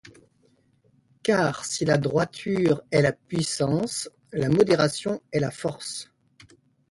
Car, si la droiture est la puissance, la modération est la force.